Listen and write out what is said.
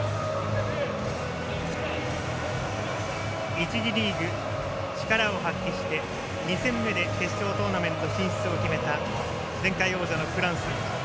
１次リーグ、力を発揮して２戦目で決勝トーナメント進出を決めた前回王者のフランス。